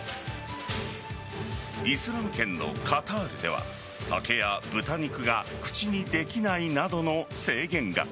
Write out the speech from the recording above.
イスラム圏のカタールでは酒や豚肉が口にできないなどの制限が。